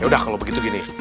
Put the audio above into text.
yaudah kalo begitu gini